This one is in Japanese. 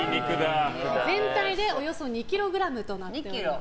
全体でおよそ２ｋｇとなっています。